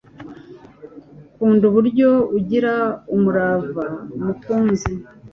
Nkunda uburyo ugira umurava mukunzi